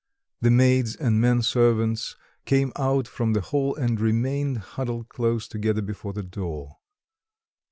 The maids and men servants came out from the hall and remained huddled close together before the door.